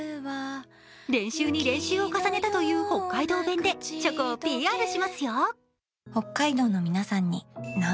練習に練習を重ねた北海道弁でチョコをＰＲしますよ。